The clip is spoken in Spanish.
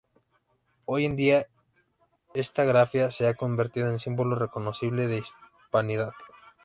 Hoy en día, esta grafía se ha convertido en símbolo reconocible de hispanidad.